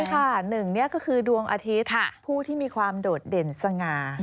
ใช่ค่ะหนึ่งนี่ก็คือดวงอาทิตย์ผู้ที่มีความโดดเด่นสง่า